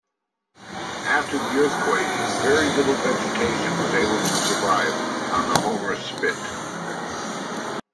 After the earthquake, very little vegetation was able to survive on the Homer Spit.